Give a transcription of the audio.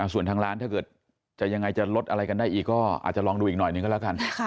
ส่วนทางร้านถ้าเกิดจะยังไงจะลดอะไรกันได้อีกก็อาจจะลองดูอีกหน่อยหนึ่งก็แล้วกัน